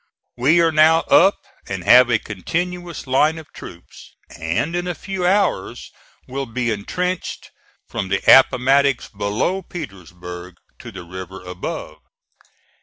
We are now up and have a continuous line of troops, and in a few hours will be intrenched from the Appomattox below Petersburg to the river above.